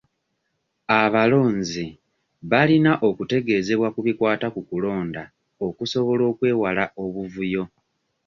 Abalonzi balina okutegeezebwa ku bikwata ku kulonda okusobola okwewala obuvuyo.